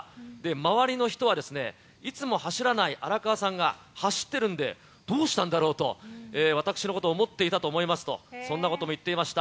周りの人はですね、いつも走らない荒川さんが走っているので、どうしたんだろうと、私のことを思っていたと思いますと、そんなことも言っていました。